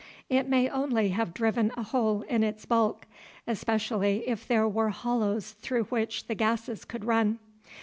It may only have driven a hole in its bulk, especially if there were hollows through which the gases could run.